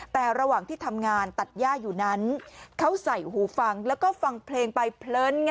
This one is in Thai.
แต่ระหว่างที่ทำงานตัดย่าอยู่นั้นเขาใส่หูฟังแล้วก็ฟังเพลงไปเพลิน